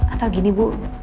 atau gini bu